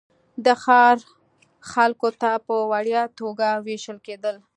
د ښار خلکو ته په وړیا توګه وېشل کېدل.